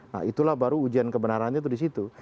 nah itulah baru ujian kebenarannya itu disitu